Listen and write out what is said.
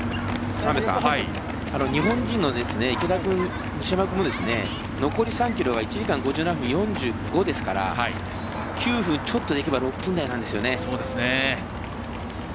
日本人の池田君、西山君も残り３ｋｍは１時間５７分４５ですから９分ちょっとで行けば６分台なんですよね。